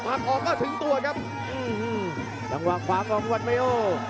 พลังออกก็ถึงตัวครับอื้อหือจังหวังความของวัดประโย